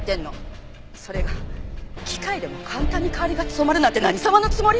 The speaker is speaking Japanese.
それが機械でも簡単に代わりが務まるなんて何様のつもり？